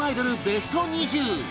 ベスト２０